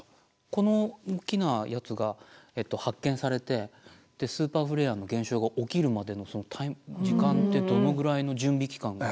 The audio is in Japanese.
この大きなやつが発見されてスーパーフレアの現象が起きるまでの時間ってどのぐらいの準備期間が？